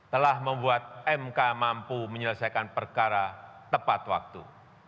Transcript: telah membuat mk mampu menyelesaikan perkara tepat waktu